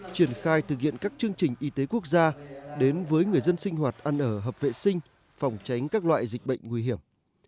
triển khai thực hiện các chương trình y tế quốc gia đến với người dân sinh hoạt ăn ở hợp vệ sinh phòng tránh các loại dịch bệnh nguy hiểm